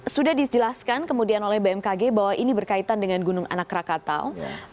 sudah dijelaskan kemudian oleh bmkg bahwa ini berkaitan dengan gunung anak rakatau